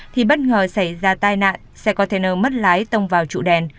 thì bất ngờ xảy ra tai nạn xe container mất lái tông vào trụ đèn